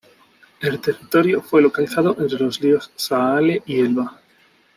El territorio fue localizado entre los ríos Saale y Elba.